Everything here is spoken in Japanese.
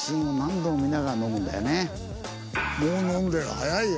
もう飲んでる早いよ。